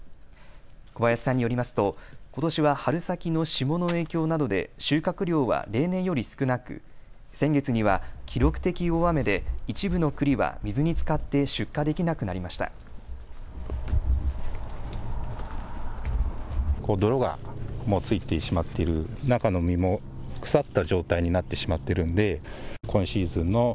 小林さんによりますとことしは春先の霜の影響などで収穫量は例年より少なく先月には記録的大雨で一部のくりは水につかって出荷できなくなりました。